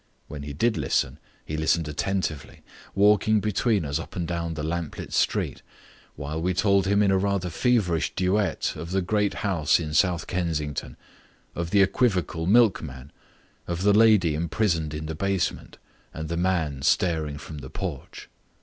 When he did listen, he listened attentively, walking between us up and down the lamp lit street, while we told him in a rather feverish duet of the great house in South Kensington, of the equivocal milkman, of the lady imprisoned in the basement, and the man staring from the porch.